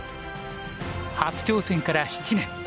初挑戦から７年。